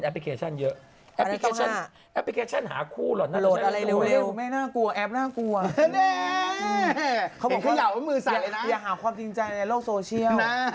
ปีเนี่ย